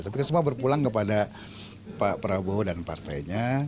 tapi kan semua berpulang kepada pak prabowo dan partainya